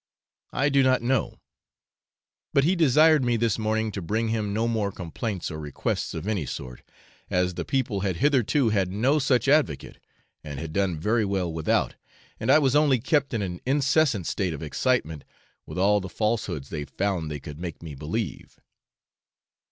I do not know; but he desired me this morning to bring him no more complaints or requests of any sort, as the people had hitherto had no such advocate, and had done very well without, and I was only kept in an incessant state of excitement with all the falsehoods they 'found they could make me believe.'